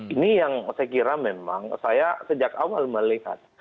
ini yang saya kira memang saya sejak awal melihat